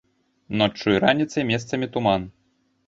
Ноччу і раніцай месцамі туман.